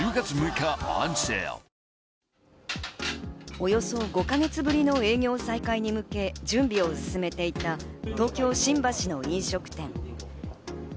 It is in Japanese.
およそ５か月ぶりの営業再開に向け準備を進めていた東京・新橋の飲食店。